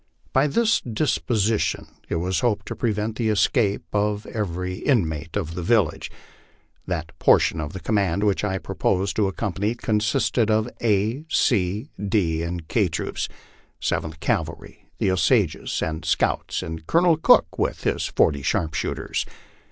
By this disposition .it was hoped to prevent the escape of every inmate of the village. That por tion of the command which I proposed to accompany consisted of A, C, D, and K troops, Seventh Cavalry, the Osages and scouts, and Colonel Cook with his forty sharpshooters.